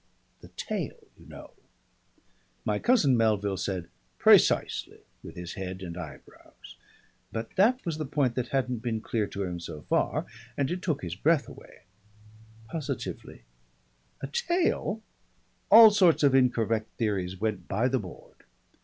"The tail, you know." My cousin Melville said "Precisely!" with his head and eyebrows. But that was the point that hadn't been clear to him so far, and it took his breath away. Positively a tail! All sorts of incorrect theories went by the board.